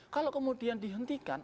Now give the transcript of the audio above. kalau kemudian dihentikan